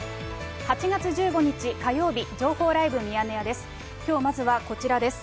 ８月１５日火曜日、情報ライブミヤネ屋です。